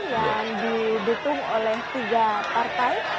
yang didukung oleh tiga partai